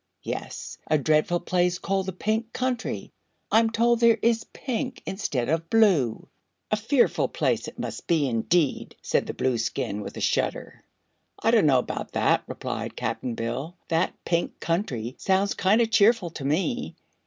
"Yes; a dreadful place called the Pink Country. I'm told everything there is pink instead of blue. A fearful place it must be, indeed!" said the Blueskin, with a shudder. "I dunno 'bout that," remarked Cap'n Bill. "That Pink Country sounds kind o' cheerful to me.